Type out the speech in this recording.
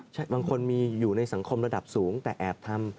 ใช่บางคนมีอยู่ในสังคมระดับสูงแต่แอบทำ